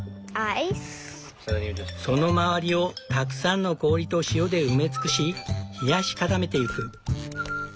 その周りをたくさんの氷と塩で埋め尽くし冷やし固めてゆく。